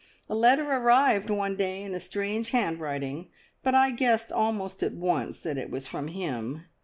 A letter arrived one day in a strange handwriting, but I guessed almost at once that it was from him.